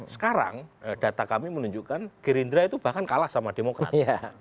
sekarang data kami menunjukkan gerindra itu bahkan kalah sama demokrat